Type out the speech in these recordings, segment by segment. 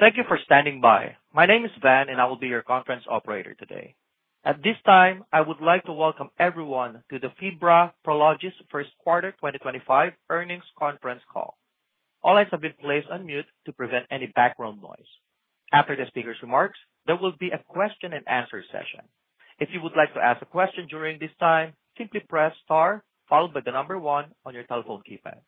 Thank you for standing by. My name is Van, and I will be your conference operator today. At this time, I would like to welcome everyone to the FIBRA Prologis First Quarter 2025 Earnings Conference Call. All lines have been placed on mute to prevent any background noise. After the speaker's remarks, there will be a question and answer session. If you would like to ask a question during this time, simply press star, followed by the number one on your telephone keypad.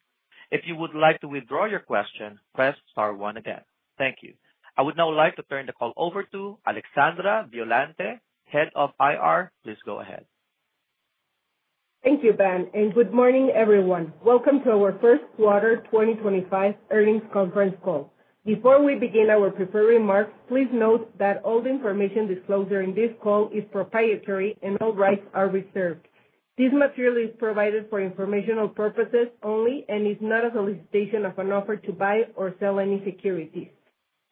If you would like to withdraw your question, press star one again. Thank you. I would now like to turn the call over to Alexandra Violante, Head of IR. Please go ahead. Thank you, Van, and good morning, everyone. Welcome to our First Quarter 2025 Earnings Conference Call. Before we begin our prepared remarks, please note that all the information disclosed during this call is proprietary and all rights are reserved. This material is provided for informational purposes only and is not a solicitation of an offer to buy or sell any securities.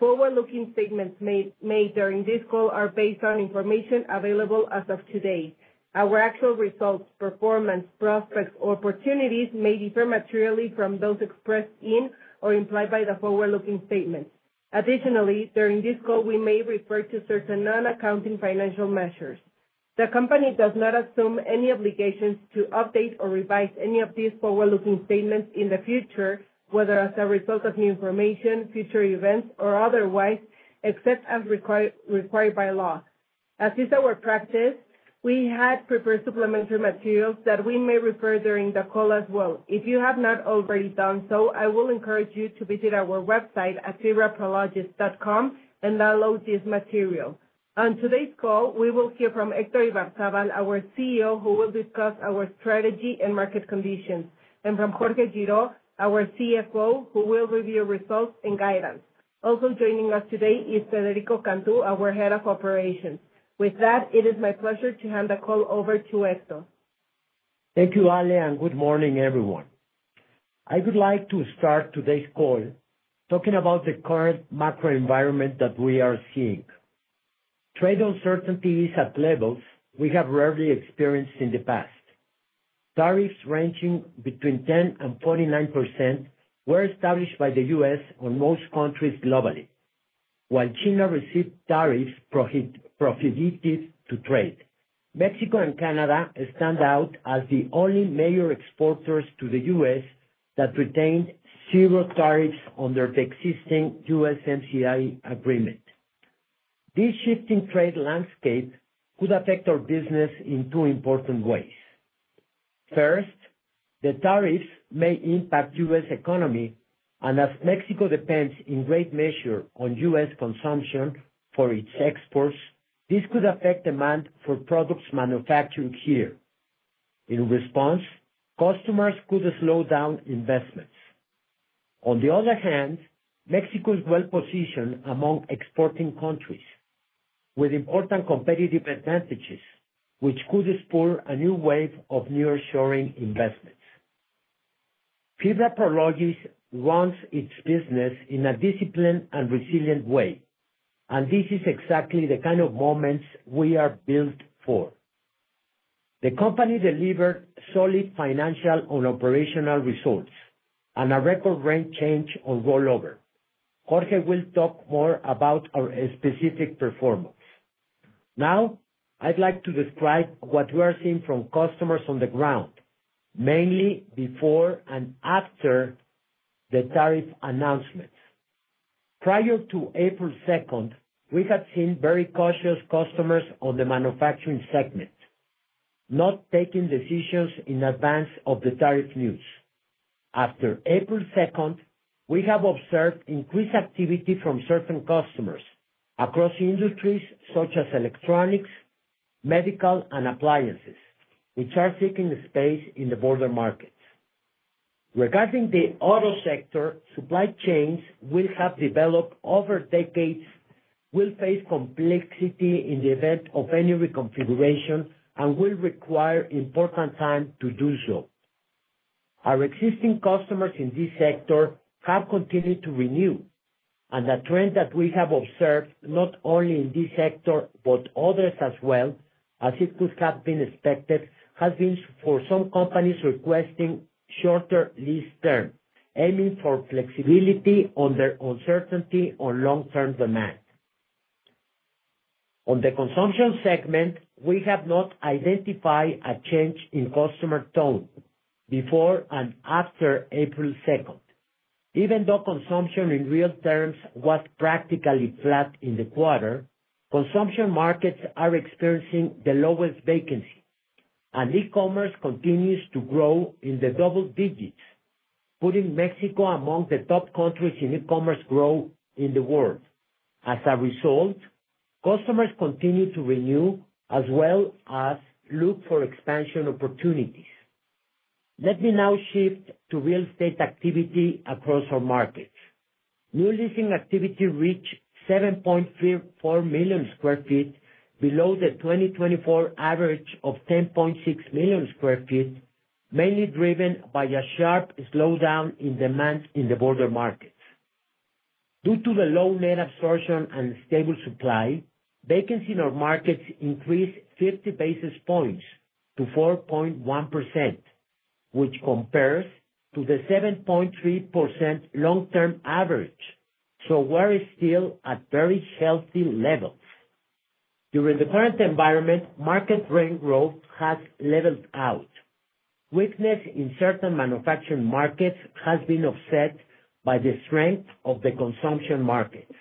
Forward-looking statements made during this call are based on information available as of today. Our actual results, performance, prospects, or opportunities may differ materially from those expressed in or implied by the forward-looking statements. Additionally, during this call, we may refer to certain non-accounting financial measures. The company does not assume any obligations to update or revise any of these forward-looking statements in the future, whether as a result of new information, future events, or otherwise, except as required by law. As is our practice, we had prepared supplementary materials that we may refer during the call as well. If you have not already done so, I will encourage you to visit our website at fibraprologis.com and download this material. On today's call, we will hear from Héctor Ibarzábal, our CEO, who will discuss our strategy and market conditions, and from Jorge Girault, our CFO, who will review results and guidance. Also joining us today is Federico Cantú, our Head of Operations. With that, it is my pleasure to hand the call over to Héctor. Thank you, Ale, and good morning, everyone. I would like to start today's call talking about the current macro environment that we are seeing. Trade uncertainty is at levels we have rarely experienced in the past. Tariffs ranging between 10%-49% were established by the U.S. on most countries globally, while China received tariffs prohibitive to trade. Mexico and Canada stand out as the only major exporters to the U.S. that retained zero tariffs under the existing USMCA agreement. This shifting trade landscape could affect our business in two important ways. First, the tariffs may impact U.S. economy, and as Mexico depends in great measure on U.S. consumption for its exports, this could affect demand for products manufactured here. In response, customers could slow down investments. On the other hand, Mexico is well-positioned among exporting countries with important competitive advantages, which could spur a new wave of nearshoring investments. FIBRA Prologis runs its business in a disciplined and resilient way, and this is exactly the kind of moments we are built for. The company delivered solid financial and operational results and a record rent change on rollover. Jorge will talk more about our specific performance. Now, I'd like to describe what we are seeing from customers on the ground, mainly before and after the tariff announcements. Prior to April second, we have seen very cautious customers on the manufacturing segment, not taking decisions in advance of the tariff news. After April second, we have observed increased activity from certain customers across industries such as electronics, medical, and appliances, which are seeking space in the border markets. Regarding the auto sector, supply chains will have developed over decades, will face complexity in the event of any reconfiguration, and will require important time to do so. Our existing customers in this sector have continued to renew, and the trend that we have observed, not only in this sector, but others as well, as it could have been expected, has been for some companies requesting shorter lease terms, aiming for flexibility on their uncertainty on long-term demand. On the consumption segment, we have not identified a change in customer tone before and after April second. Even though consumption in real terms was practically flat in the quarter, consumption markets are experiencing the lowest vacancy, and e-commerce continues to grow in the double digits, putting Mexico among the top countries in e-commerce growth in the world. As a result, customers continue to renew as well as look for expansion opportunities. Let me now shift to real estate activity across our markets. New leasing activity reached 7.34 million sq ft, below the 2024 average of 10.6 million sq ft, mainly driven by a sharp slowdown in demand in the border markets. Due to the low net absorption and stable supply, vacancy in our markets increased 50 basis points to 4.1%, which compares to the 7.3% long-term average. So we're still at very healthy levels. During the current environment, market rent growth has leveled out. Weakness in certain manufacturing markets has been offset by the strength of the consumption markets.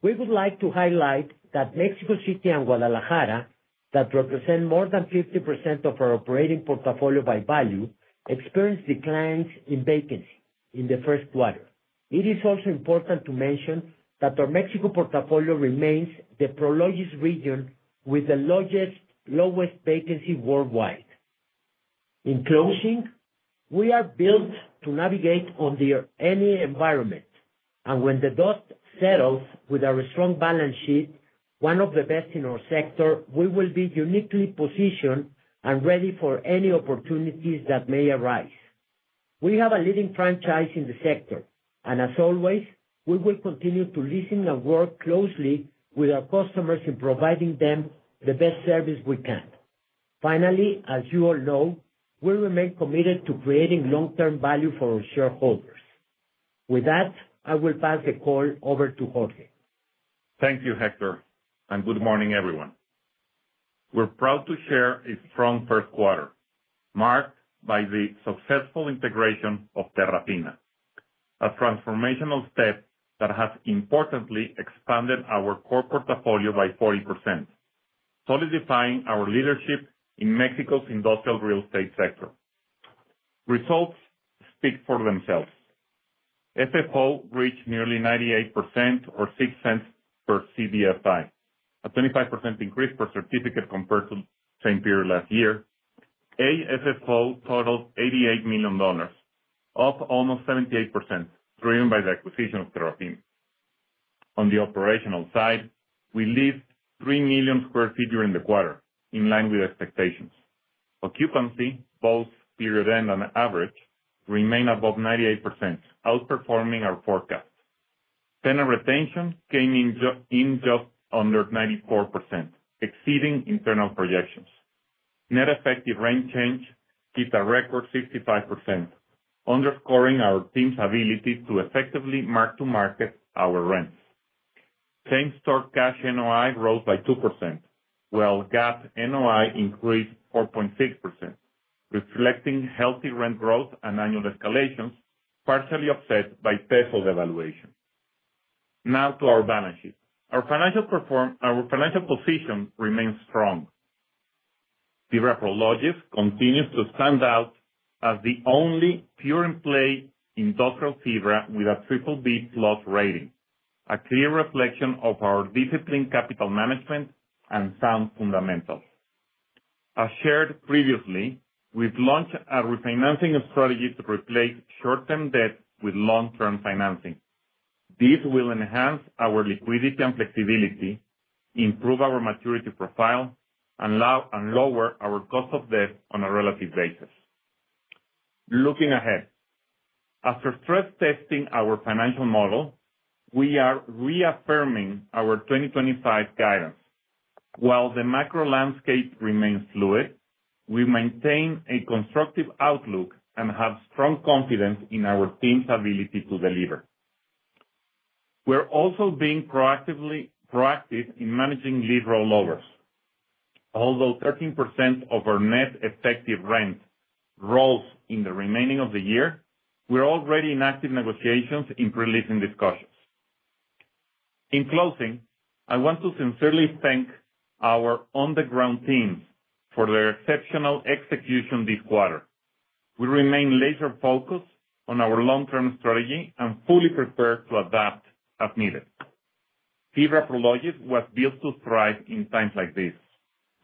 We would like to highlight that Mexico City and Guadalajara, that represent more than 50% of our operating portfolio by value, experienced declines in vacancy in the first quarter. It is also important to mention that our Mexico portfolio remains the Prologis region with the lowest vacancy worldwide. In closing, we are built to navigate under any environment, and when the dust settles, with our strong balance sheet, one of the best in our sector, we will be uniquely positioned and ready for any opportunities that may arise. We have a leading franchise in the sector, and as always, we will continue to listen and work closely with our customers in providing them the best service we can. Finally, as you all know, we remain committed to creating long-term value for our shareholders. With that, I will pass the call over to Jorge. Thank you, Héctor, and good morning, everyone. We're proud to share a strong first quarter, marked by the successful integration of Terrafina, a transformational step that has importantly expanded our core portfolio by 40%, solidifying our leadership in Mexico's industrial real estate sector. Results speak for themselves. FFO reached nearly 98 cents or $0.06 per CBFI, a 25% increase per certificate compared to same period last year. AFFO totaled $88 million, up almost 78%, driven by the acquisition of Terrafina. On the operational side, we leased 3 million sq ft during the quarter, in line with expectations. Occupancy, both period-end and on average, remain above 98%, outperforming our forecast. Tenant retention came in just under 94%, exceeding internal projections. Net effective rent change hit a record 55%, underscoring our team's ability to effectively mark-to-market our rents. Same-store cash NOI rose by 2%, while GAAP NOI increased 4.6%, reflecting healthy rent growth and annual escalations, partially offset by peso devaluation. Now to our balance sheet. Our financial position remains strong. FIBRA Prologis continues to stand out as the only pure play industrial FIBRA with a BBB+ rating, a clear reflection of our disciplined capital management and sound fundamentals. As shared previously, we've launched a refinancing strategy to replace short-term debt with long-term financing. This will enhance our liquidity and flexibility, improve our maturity profile, and lower our cost of debt on a relative basis. Looking ahead, after stress testing our financial model, we are reaffirming our 2025 guidance. While the macro landscape remains fluid, we maintain a constructive outlook and have strong confidence in our team's ability to deliver. We're also being proactively proactive in managing lease rollovers. Although 13% of our net effective rent rolls in the remainder of the year, we're already in active negotiations in leasing discussions. In closing, I want to sincerely thank our on-the-ground teams for their exceptional execution this quarter. We remain laser-focused on our long-term strategy and fully prepared to adapt as needed. FIBRA Prologis was built to thrive in times like this,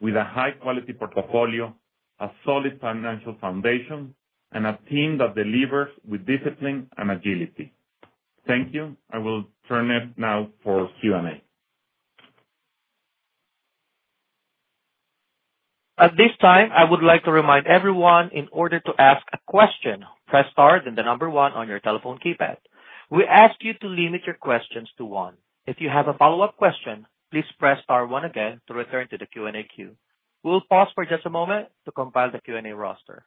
with a high-quality portfolio, a solid financial foundation, and a team that delivers with discipline and agility. Thank you. I will turn it now for Q&A. At this time, I would like to remind everyone, in order to ask a question, press star, then the number one on your telephone keypad. We ask you to limit your questions to one. If you have a follow-up question, please press star one again to return to the Q&A queue. We'll pause for just a moment to compile the Q&A roster.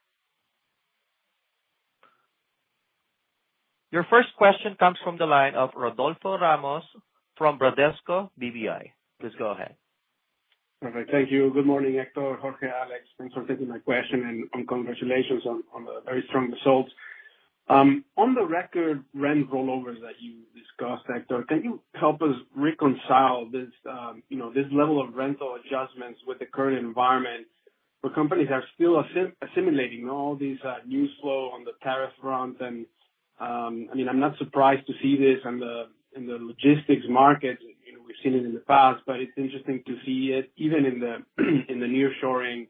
Your first question comes from the line of Rodolfo Ramos, from Bradesco BBI. Please go ahead. Perfect. Thank you. Good morning, Héctor, Jorge, Alex. Thanks for taking my question, and congratulations on the very strong results. On the record rent rollovers that you discussed, Héctor, can you help us reconcile this, you know, this level of rental adjustments with the current environment, where companies are still assimilating all this news flow on the tariff front? And, I mean, I'm not surprised to see this in the logistics market. You know, we've seen it in the past, but it's interesting to see it even in the nearshoring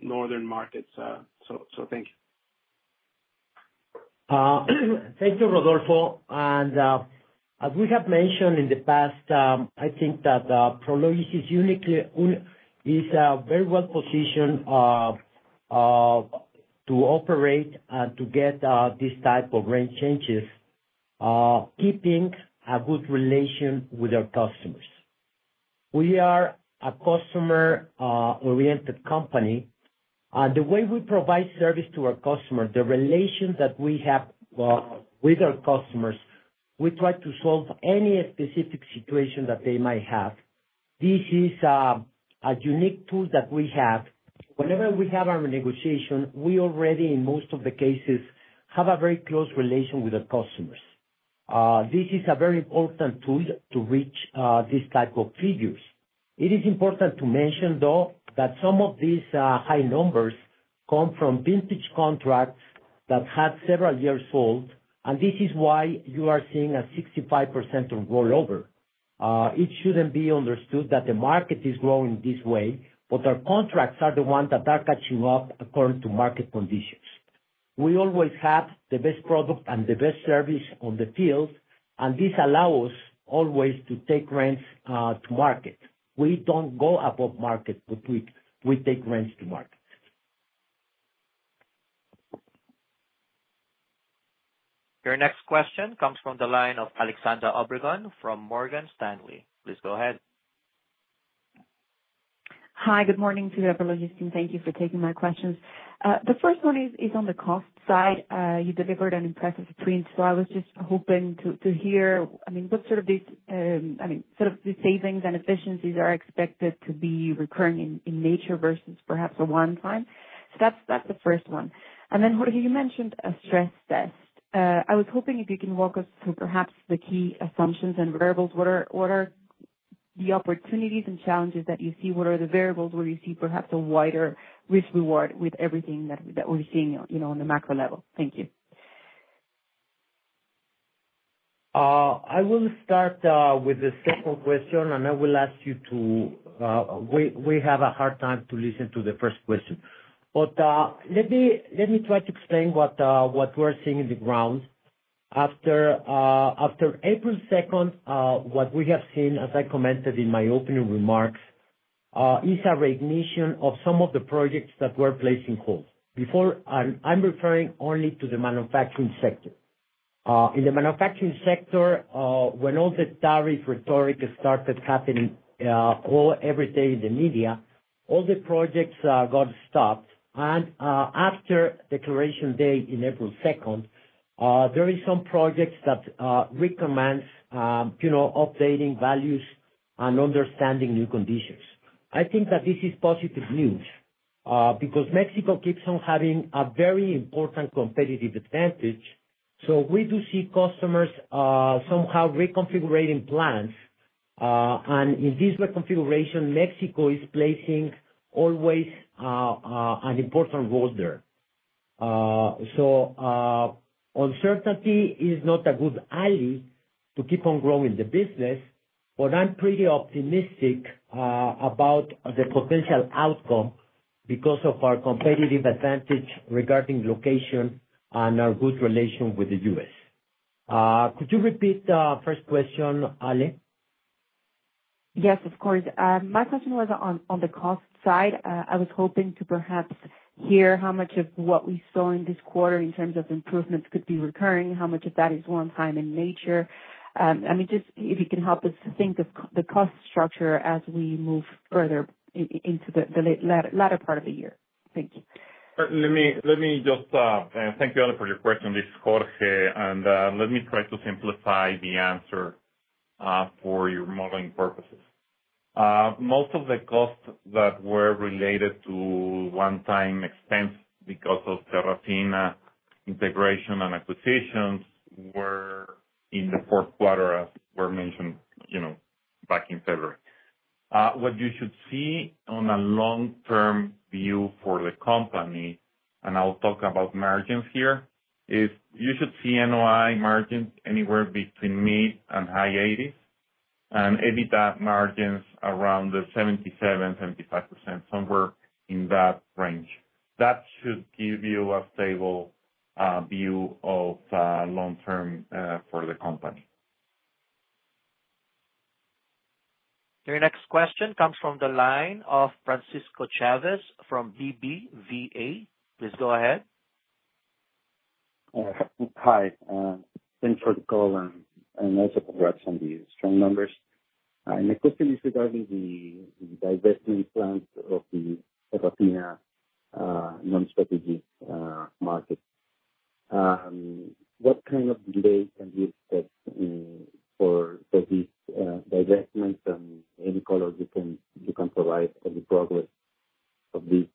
northern markets, so thank you. Thank you, Rodolfo. As we have mentioned in the past, I think that Prologis is uniquely very well positioned to operate and to get this type of rent changes, keeping a good relation with our customers. We are a customer-oriented company. The way we provide service to our customer, the relation that we have with our customers, we try to solve any specific situation that they might have. This is a unique tool that we have. Whenever we have our negotiation, we already, in most of the cases, have a very close relation with the customers. This is a very important tool to reach these type of figures. It is important to mention, though, that some of these, high numbers come from vintage contracts that have several years old, and this is why you are seeing a 65% of rollover. It shouldn't be understood that the market is growing this way, but our contracts are the ones that are catching up according to market conditions. We always have the best product and the best service on the field, and this allow us always to take rents, to market. We don't go above market, but we take rents to market. Your next question comes from the line of Alejandra Obregón from Morgan Stanley. Please go ahead. Hi, good morning to you, Apologies, and thank you for taking my questions. The first one is on the cost side. You delivered an impressive print, so I was just hoping to hear, I mean, what sort of these, I mean, sort of the savings and efficiencies are expected to be recurring in nature versus perhaps a one time? So that's the first one. And then, Jorge, you mentioned a stress test. I was hoping if you can walk us through perhaps the key assumptions and variables. What are the opportunities and challenges that you see? What are the variables where you see perhaps a wider risk reward with everything that we're seeing, you know, on the macro level? Thank you. I will start with the second question, and I will ask you to, we have a hard time to listen to the first question. But let me try to explain what we're seeing in the ground. After April second, what we have seen, as I commented in my opening remarks, is a reignition of some of the projects that were placed on hold. Before, I'm referring only to the manufacturing sector. In the manufacturing sector, when all the tariff rhetoric started happening, all every day in the media, all the projects got stopped. And after declaration date in April second, there is some projects that recommends, you know, updating values and understanding new conditions. I think that this is positive news, because Mexico keeps on having a very important competitive advantage. So we do see customers somehow reconfiguring plans, and in this reconfiguration, Mexico is placing always an important role there. So, uncertainty is not a good ally to keep on growing the business, but I'm pretty optimistic about the potential outcome because of our competitive advantage regarding location and our good relation with the U.S. Could you repeat the first question, Ale? Yes, of course. My question was on the cost side. I was hoping to perhaps hear how much of what we saw in this quarter in terms of improvements could be recurring, how much of that is one time in nature? I mean, just if you can help us to think of the cost structure as we move further into the latter part of the year. Thank you. Let me just thank you, Ale, for your question. This is Jorge, and let me try to simplify the answer for your modeling purposes. Most of the costs that were related to one-time expense because of Terrafina integration and acquisitions were in the fourth quarter, as were mentioned, you know, back in February. What you should see on a long-term view for the company, and I'll talk about margins here, is you should see NOI margins anywhere between mid-80s and high 80s, and EBITDA margins around 75%-77%, somewhere in that range. That should give you a stable view of long-term for the company. Your next question comes from the line of Francisco Chávez from BBVA. Please go ahead. Hi, thanks for the call, and also congrats on the strong numbers. My question is regarding the divesting plans of the Terrafina non-strategic market. What kind of delay can we expect for this divestment? And any colors you can provide on the progress of this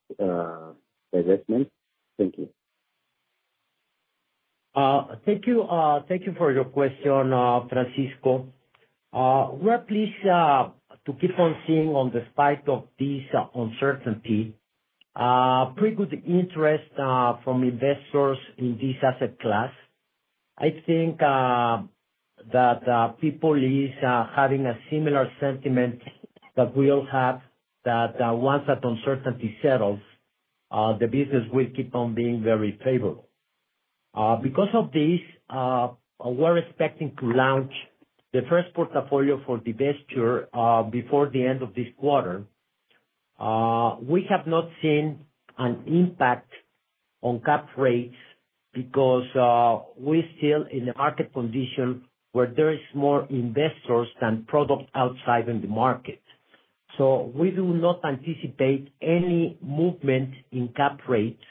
divestment? Thank you. Thank you for your question, Francisco. We're pleased to keep on seeing, in spite of this uncertainty, pretty good interest from investors in this asset class. I think that people is having a similar sentiment that we all have, that once that uncertainty settles, the business will keep on being very favorable. Because of this, we're expecting to launch the first portfolio for divestiture before the end of this quarter.... We have not seen an impact on cap rates because we're still in a market condition where there is more investors than product outside in the market. So we do not anticipate any movement in cap rates.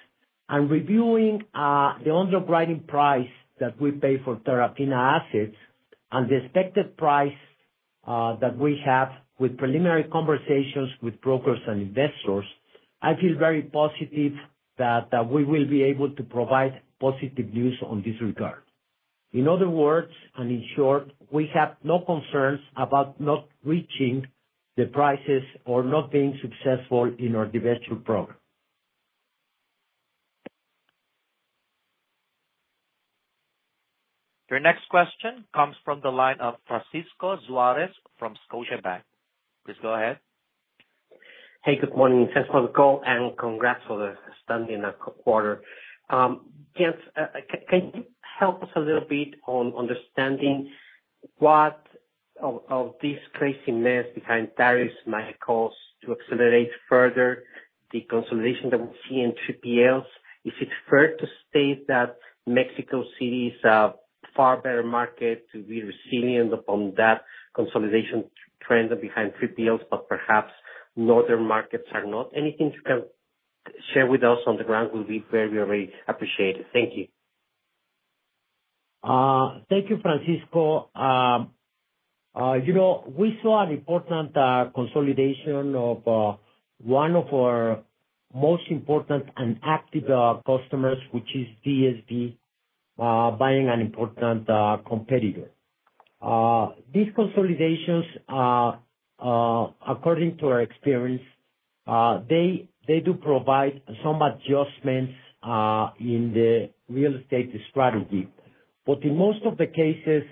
And reviewing the underwriting price that we pay for Terrafina assets and the expected price that we have with preliminary conversations with brokers and investors, I feel very positive that that we will be able to provide positive news on this regard. In other words, and in short, we have no concerns about not reaching the prices or not being successful in our divestiture program. Your next question comes from the line of Francisco Suárez from Scotiabank. Please go ahead. Hey, good morning. Thanks for the call, and congrats for the outstanding quarter. Gents, can you help us a little bit on understanding what of this craziness behind tariffs might cause to accelerate further the consolidation that we see in 3PLs? Is it fair to state that Mexico City is a far better market to be resilient upon that consolidation trend behind 3PLs, but perhaps northern markets are not? Anything you can share with us on the ground will be very, very appreciated. Thank you. Thank you, Francisco. You know, we saw an important consolidation of one of our most important and active customers, which is DSV, buying an important competitor. These consolidations, according to our experience, they do provide some adjustments in the real estate strategy. But in most of the cases,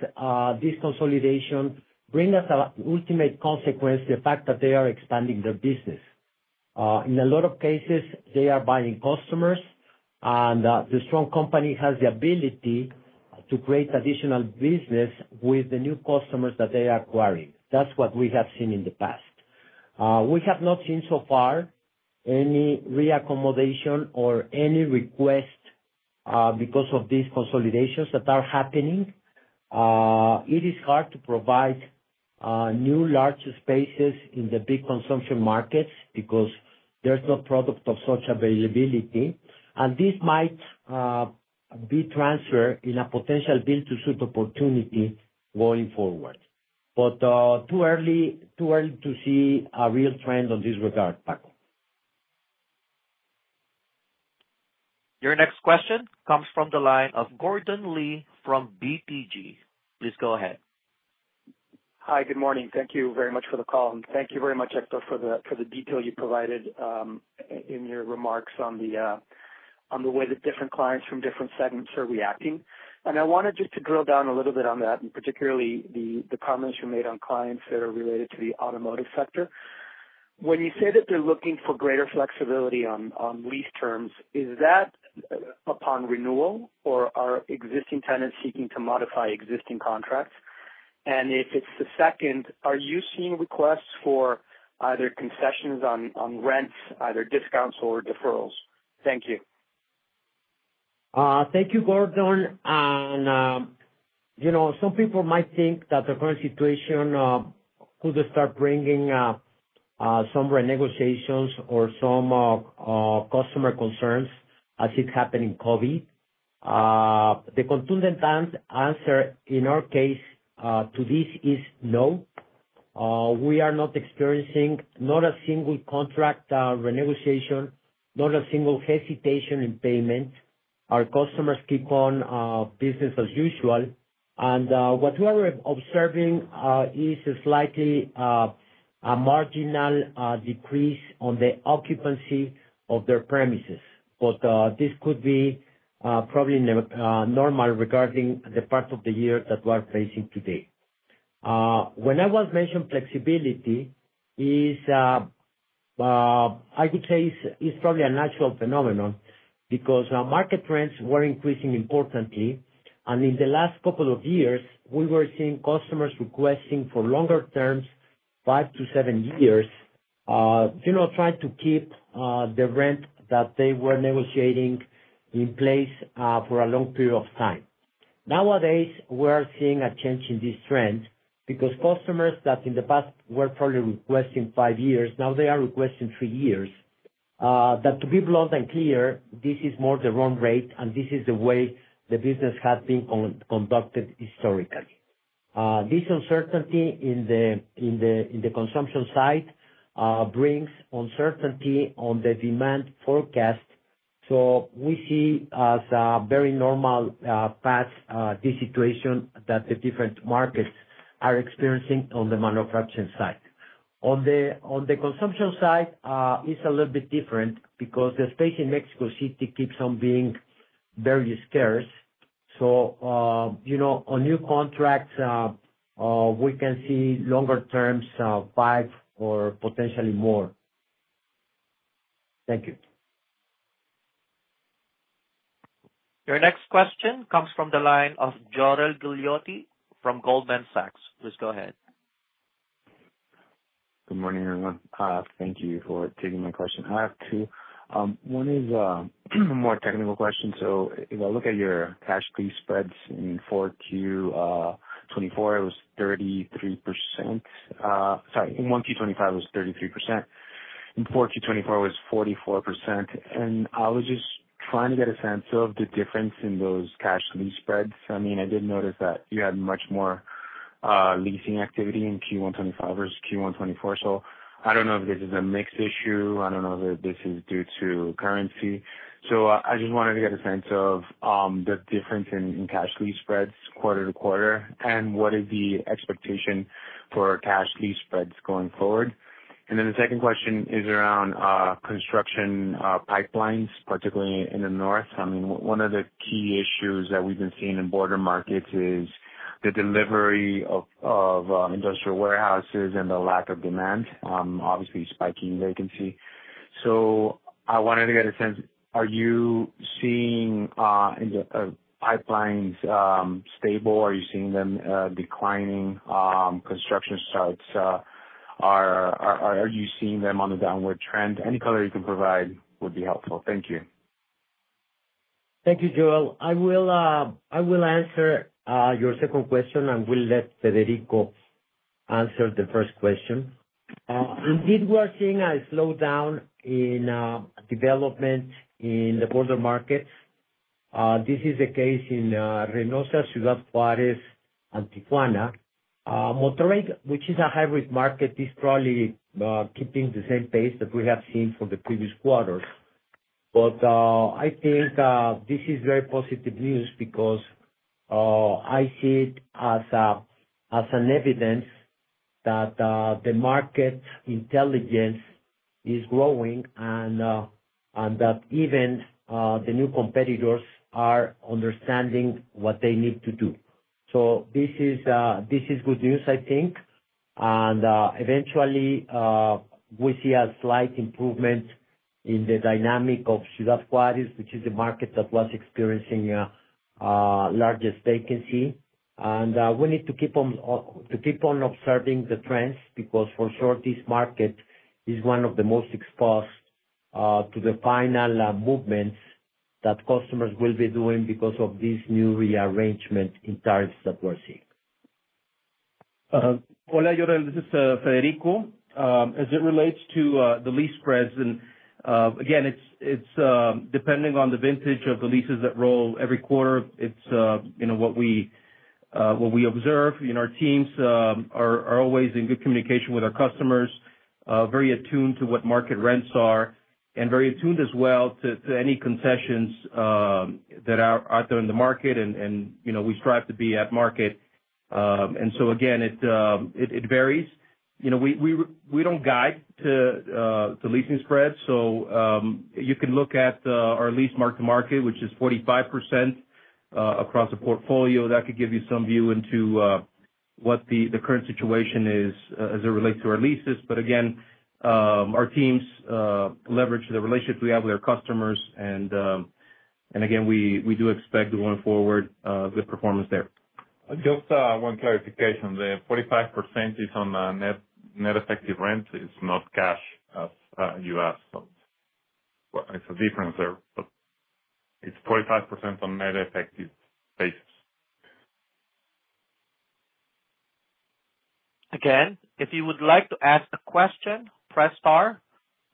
this consolidation bring us an ultimate consequence, the fact that they are expanding their business. In a lot of cases, they are buying customers, and the strong company has the ability to create additional business with the new customers that they are acquiring. That's what we have seen in the past. We have not seen so far any reaccommodation or any request because of these consolidations that are happening. It is hard to provide new large spaces in the big consumption markets because there's no product of such availability, and this might be transferred in a potential build-to-suit opportunity going forward. But too early, too early to see a real trend on this regard, Paco. Your next question comes from the line of Gordon Lee from BTG Pactual. Please go ahead. Hi, good morning. Thank you very much for the call, and thank you very much, Héctor, for the, for the detail you provided, in your remarks on the, on the way that different clients from different segments are reacting. I wanted just to drill down a little bit on that, and particularly the, the comments you made on clients that are related to the automotive sector. When you say that they're looking for greater flexibility on, on lease terms, is that, upon renewal, or are existing tenants seeking to modify existing contracts? And if it's the second, are you seeing requests for either concessions on, on rents, either discounts or deferrals? Thank you. Thank you, Gordon. And, you know, some people might think that the current situation could start bringing some renegotiations or some customer concerns as it happened in COVID. The confident answer in our case to this is no. We are not experiencing, not a single contract renegotiation, not a single hesitation in payment. Our customers keep on business as usual, and what we are observing is a slightly a marginal decrease on the occupancy of their premises. But this could be probably normal regarding the part of the year that we are facing today. When I mentioned flexibility, I would say it's probably a natural phenomenon because market trends were increasing importantly, and in the last couple of years, we were seeing customers requesting for longer terms, 5-7 years, you know, trying to keep the rent that they were negotiating in place for a long period of time. Nowadays, we are seeing a change in this trend because customers that in the past were probably requesting 5 years, now they are requesting 3 years. But to be blunt and clear, this is more the run rate, and this is the way the business has been conducted historically. This uncertainty in the consumption side brings uncertainty on the demand forecast, so we see as a very normal path this situation that the different markets are experiencing on the manufacturing side. On the consumption side, it's a little bit different because the space in Mexico City keeps on being very scarce. So, you know, on new contracts, we can see longer terms, five or potentially more. Thank you.... Your next question comes from the line of Joel Guilloty from Goldman Sachs. Please go ahead. Good morning, everyone. Thank you for taking my question. I have two. One is more technical question. So if I look at your cash lease spreads in 4Q 2024, it was 33%. Sorry, in 1Q 2025, it was 33%. In 4Q 2024, it was 44%. And I was just trying to get a sense of the difference in those cash lease spreads. I mean, I did notice that you had much more leasing activity in 1Q 2025 versus 1Q 2024. So I don't know if this is a mixed issue. I don't know if this is due to currency. So I just wanted to get a sense of the difference in cash lease spreads quarter to quarter, and what is the expectation for cash lease spreads going forward? And then the second question is around construction pipelines, particularly in the north. I mean, one of the key issues that we've been seeing in border markets is the delivery of industrial warehouses and the lack of demand, obviously spiking vacancy. So I wanted to get a sense, are you seeing in the pipelines stable? Are you seeing them declining? Construction starts, are you seeing them on a downward trend? Any color you can provide would be helpful. Thank you. Thank you, Joel. I will, I will answer, your second question, and will let Federico answer the first question. Indeed, we are seeing a slowdown in, development in the border markets. This is the case in, Reynosa, Ciudad Juárez, and Tijuana. Monterrey, which is a high-risk market, is probably, keeping the same pace that we have seen from the previous quarters. But, I think, this is very positive news because, I see it as a, as an evidence that, the market intelligence is growing, and, and that even, the new competitors are understanding what they need to do. So this is, this is good news, I think. And, eventually, we see a slight improvement in the dynamic of Ciudad Juárez, which is a market that was experiencing, largest vacancy. We need to keep on observing the trends, because for sure, this market is one of the most exposed to the final movements that customers will be doing because of this new rearrangement in tariffs that we're seeing. Hola, Joel, this is Federico. As it relates to the lease spreads, and again, it's, it's depending on the vintage of the leases that roll every quarter, it's you know, what we, what we observe. You know, our teams are, are always in good communication with our customers, very attuned to what market rents are and very attuned as well to, to any concessions that are out there in the market. And, and you know, we strive to be at market. And so again, it, it, it varies. You know, we, we, we don't guide to, to leasing spreads, so you can look at our lease mark-to-market, which is 45%, across the portfolio. That could give you some view into what the current situation is as it relates to our leases. But again, our teams leverage the relationships we have with our customers, and again, we do expect going forward good performance there. Just, one clarification. The 45% is on net, net effective rent, it's not cash, as you asked. But it's a difference there, but it's 45% on net effective basis. Again, if you would like to ask a question, press star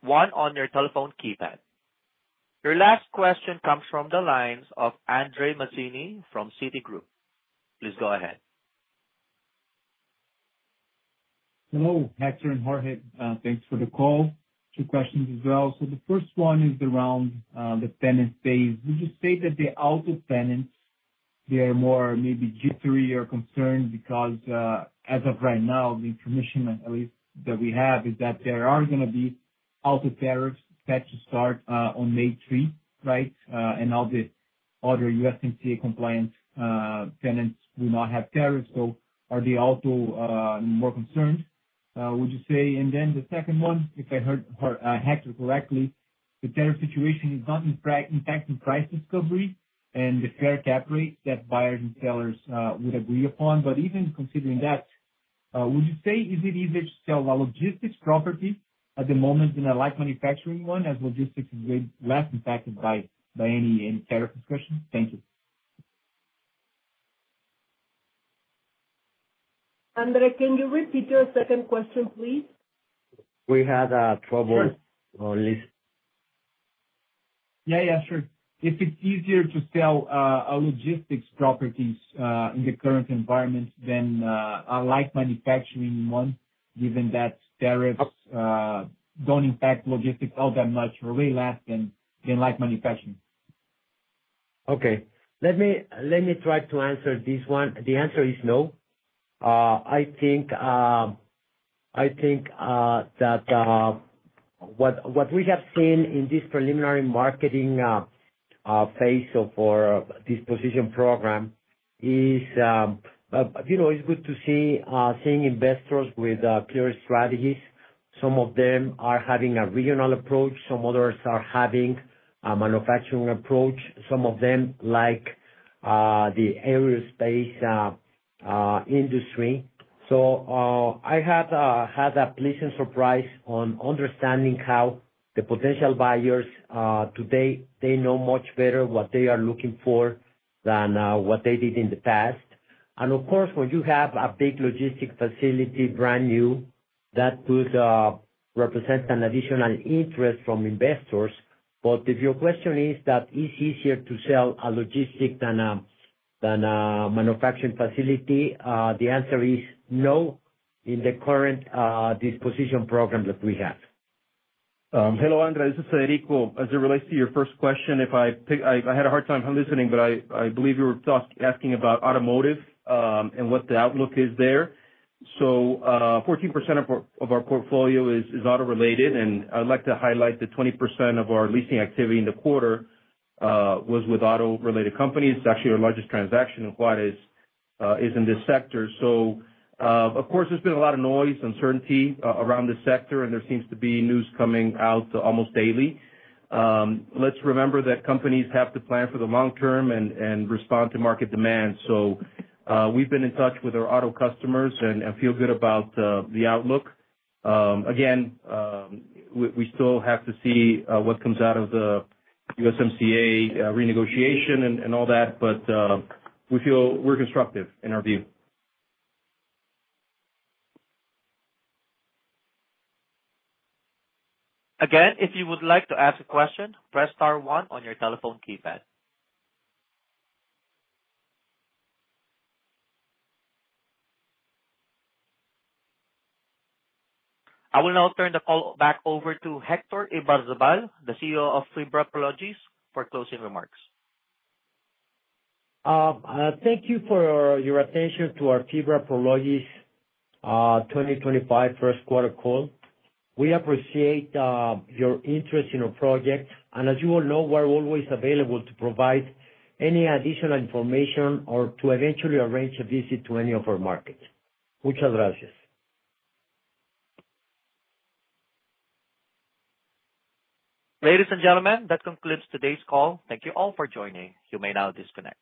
one on your telephone keypad. Your last question comes from the lines of André Mazini from Citigroup. Please go ahead. Hello, Héctor and Jorge. Thanks for the call. Two questions as well. So the first one is around the tenant base. Would you say that the auto tenants, they are more maybe jittery or concerned because, as of right now, the information at least that we have, is that there are gonna be auto tariffs set to start on May three, right? And all the other USMCA compliance tenants do not have tariffs, so are they also more concerned, would you say? And then the second one, if I heard Héctor correctly, the tariff situation has not impacted price discovery and the fair cap rate that buyers and sellers would agree upon. But even considering that, would you say, is it easier to sell a logistics property at the moment than a light manufacturing one, as logistics is way less impacted by any tariff discussion? Thank you. André, can you repeat your second question, please? We had trouble- Sure. On his listen. Yeah, yeah, sure. If it's easier to sell a logistics properties in the current environment than a light manufacturing one, given that tariffs don't impact logistics all that much, or way less than light manufacturing? Okay. Let me, let me try to answer this one. The answer is no. I think that what we have seen in this preliminary marketing phase for this position program is, you know, it's good to see seeing investors with clear strategies. Some of them are having a regional approach, some others are having a manufacturing approach, some of them, like, the aerospace industry. So, I had a pleasant surprise on understanding how the potential buyers today, they know much better what they are looking for than what they did in the past. And of course, when you have a big logistic facility, brand new, that could represent an additional interest from investors. But if your question is that it's easier to sell a logistic than a manufacturing facility, the answer is no, in the current disposition program that we have. Hello, André, this is Federico. As it relates to your first question, I had a hard time listening, but I believe you were asking about automotive, and what the outlook is there. So, 14% of our portfolio is auto-related, and I'd like to highlight that 20% of our leasing activity in the quarter was with auto-related companies. Actually, our largest transaction in Juárez is in this sector. So, of course, there's been a lot of noise, uncertainty around the sector, and there seems to be news coming out almost daily. Let's remember that companies have to plan for the long term and respond to market demand. So, we've been in touch with our auto customers and feel good about the outlook. Again, we still have to see what comes out of the USMCA renegotiation and all that, but we feel we're constructive in our view. Again, if you would like to ask a question, press star one on your telephone keypad. I will now turn the call back over to Héctor Ibarzábal, the CEO of FIBRA Prologis, for closing remarks. Thank you for your attention to our FIBRA Prologis 2025 first quarter call. We appreciate your interest in our project. As you all know, we're always available to provide any additional information or to eventually arrange a visit to any of our markets. Muchas gracias. Ladies and gentlemen, that concludes today's call. Thank you all for joining. You may now disconnect.